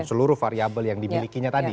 semua variable yang dimilikinya tadi